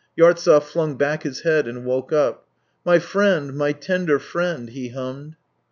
Yartsev flung back his head and woke up. " My friend, my tender friend .. ."he hummed.